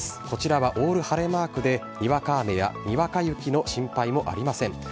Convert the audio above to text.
こちらはオール晴れマークで、にわか雨やにわか雪の心配もありません。